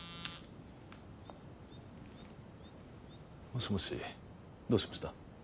もしもしどうしました？